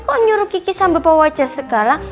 kok nyuruh gigi sambil bawa jas segala